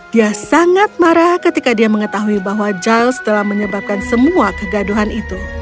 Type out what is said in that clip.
dia sangat marah ketika dia mengetahui bahwa giles telah menyebabkan semua kegaduhan itu